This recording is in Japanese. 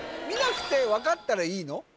見なくて分かったらいいの？